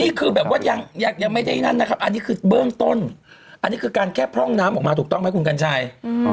นี่คือแบบว่ายังไม่ได้นั่นนะครับอันนี้คือเบื้องต้นอันนี้คือการแค่พร่องน้ำออกมาถูกต้องไหมคุณกัญชัย